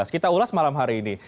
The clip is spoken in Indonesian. kita ulas malam hari ini